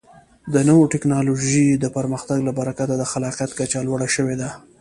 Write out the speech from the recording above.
د نوو ټکنالوژیو د پرمختګ له برکته د خلاقیت کچه لوړه شوې ده.